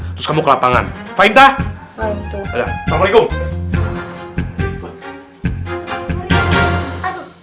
terus kamu ke lapangan fahim tah ada assalamualaikum